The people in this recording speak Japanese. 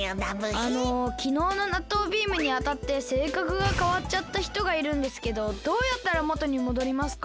あのきのうのなっとうビームにあたってせいかくがかわっちゃったひとがいるんですけどどうやったらもとにもどりますか？